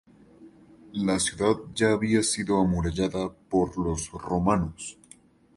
La ciudad ya había sido amurallada por los romanos.